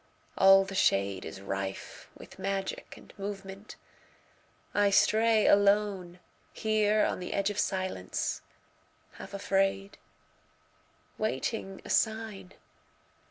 All the shadeIs rife with magic and movement. I stray aloneHere on the edge of silence, half afraid, Waiting a sign.